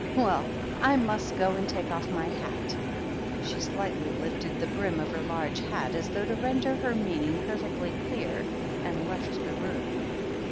"Well, I must go and take off my hat" She slightly lifted the brim of her large hat, as though to render her meaning perfectly clear, and left the room.